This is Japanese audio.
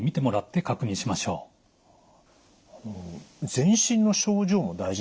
全身の症状も大事なんですか？